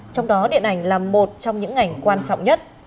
trong đó điện ảnh là một trong những ngành quan trọng nhất